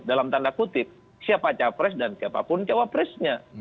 dalam tanda kutip siapa capres dan siapapun cawapresnya